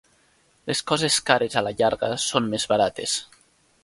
Les coses cares a la llarga són més barates.